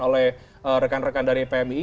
oleh rekan rekan dari pmi